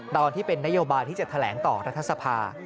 ตอนที่เป็นนโยบายที่จะแถลงต่อรัฐสภา